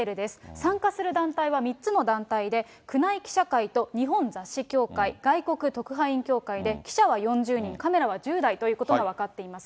参加する団体は３つの団体で、宮内記者会と日本雑誌協会、外国特派員協会で、記者は４０人、カメラは１０台ということが分かっています。